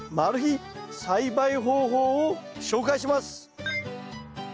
栽培方法を紹介します！